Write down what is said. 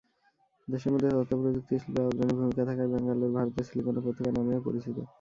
দেশের মধ্যে তথ্যপ্রযুক্তি শিল্পে অগ্রণী ভূমিকা থাকায় ব্যাঙ্গালোর ভারতের সিলিকন উপত্যকা নামে ও পরিচিত।